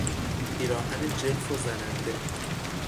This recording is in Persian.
پیراهن جلف و زننده